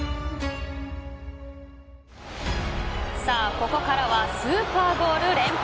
ここからはスーパーゴール連発。